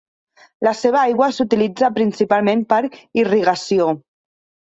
La seva aigua s'utilitza principalment per irrigació.